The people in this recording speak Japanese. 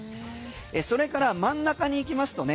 それから真ん中にいきますとね